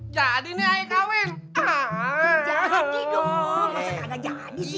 jadi dong masa nggak ada jadi sih